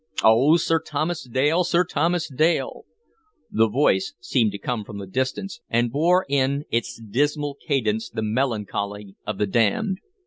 "Oh, Sir Thomas Dale, Sir Thomas Dale!" The voice seemed to come from the distance, and bore in its dismal cadence the melancholy of the damned.